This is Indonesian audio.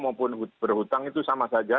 maupun berhutang itu sama saja